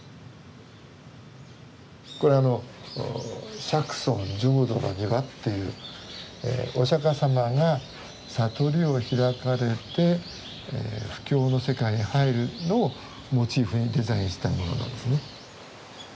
これ「釈尊成道の庭」っていうお釈迦様が悟りを開かれて布教の世界に入るのをモチーフにデザインしたものなんですね。